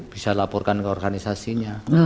bisa laporkan ke organisasinya